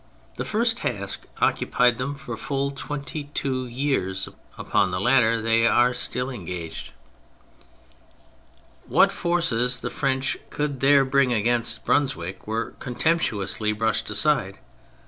The first task occupied them for full twenty two years, upon the latter they are still engaged. What forces the French could there bring against Brunswick were contemptuously brushed aside.